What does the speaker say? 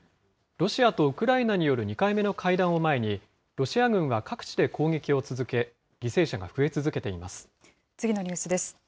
ロシアとウクライナによる２回目の会談を前に、ロシア軍は各地で攻撃を続け、犠牲者が増え続けています。